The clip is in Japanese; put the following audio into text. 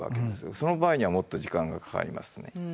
その場合にはもっと時間がかかりますね。